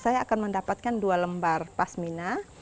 saya akan mendapatkan dua lembar pasmina